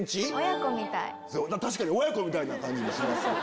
親子みたいな感じもします。